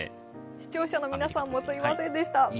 視聴者の皆さんもすみませんでした。